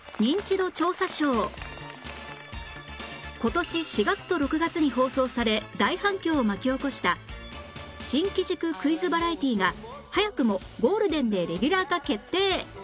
今年４月と６月に放送され大反響を巻き起こした新機軸クイズバラエティーが早くもゴールデンでレギュラー化決定！